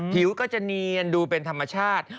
ผิวก็จะเนียนดูเป็นธรรมชาติ